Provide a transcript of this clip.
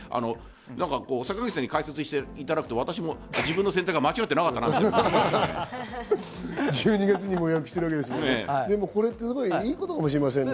坂口さんに解説していただくと自分の選択が間違っていなかったと１２月にもう予約してるんですもんね。